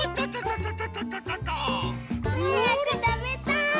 はやくたべたい！